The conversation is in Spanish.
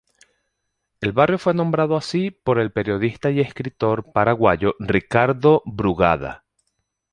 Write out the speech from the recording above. El barrio fue nombrado así por el periodista y escritor paraguayo Ricardo Brugada.